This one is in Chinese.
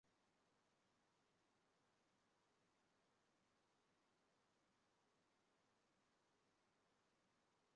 一个地理信息系统是一种具有信息系统空间专业形式的数据管理系统。